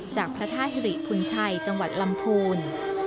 จากพระธาตุฮิริพุนชัยจังหวัดลำพูน